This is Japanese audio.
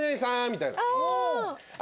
みたいな。